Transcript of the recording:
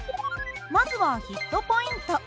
まずはヒットポイント。